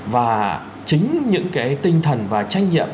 và chính những cái tinh thần và trách nhiệm